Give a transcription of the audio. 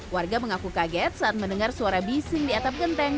warga mengaku kaget saat mendengar suara bising di atap genteng